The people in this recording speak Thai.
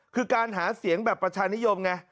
คือการหาเสียงแบบประชานิยมไง